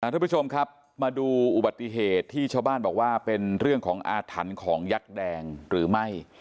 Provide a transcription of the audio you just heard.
ทุกผู้ชมครับมาดูอุบัติเหตุที่ชาวบ้านบอกว่าเป็นเรื่องของอาถรรพ์ของยักษ์แดงหรือไม่